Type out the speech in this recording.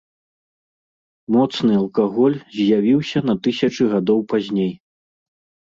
Моцны алкаголь з'явіўся на тысячы гадоў пазней.